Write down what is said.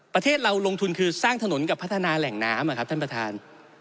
ประเทศเราลงทุนคือสร้างถนนกับพัฒนาแหล่งน้ำอะครับท่านประธาน